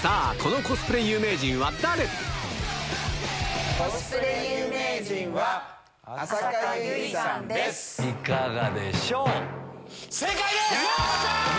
コスプレ有名人は、浅香唯さいかがでしょう。